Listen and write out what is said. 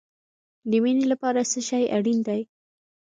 د مینې لپاره څه شی اړین دی؟